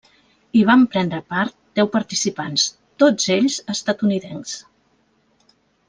Hi van prendre part deu participants, tots ells estatunidencs.